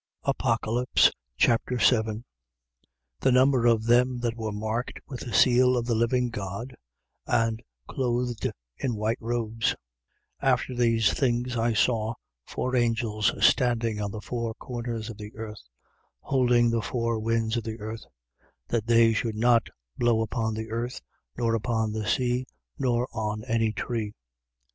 Apocalypse Chapter 7 The number of them that were marked with the seal of the living God and clothed in white robes. 7:1. After these things, I saw four angels standing on the four corners of the earth, holding the four winds of the earth, that they should not blow upon the earth nor upon the sea nor on any tree.